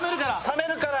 冷めるから。